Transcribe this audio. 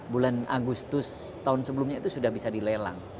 bulan agustus tahun sebelumnya itu sudah bisa dilelang